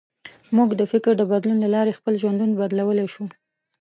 موږ د فکر د بدلون له لارې خپل ژوند بدلولی شو.